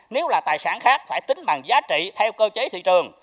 nếu là tài sản khác phải tính bằng giá trị theo cơ chế thị trường